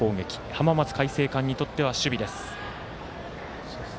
浜松開誠館にとっては守備です。